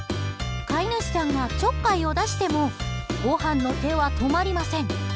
飼い主さんがちょっかいを出してもごはんの手は止まりません。